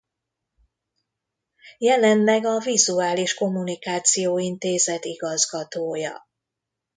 Jelenleg a Vizuális Kommunikáció Intézet igazgatója.